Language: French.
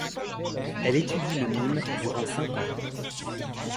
Elle étudie le mime durant cinq ans.